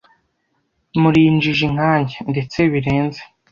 muri injiji nkanjye ndetse birenze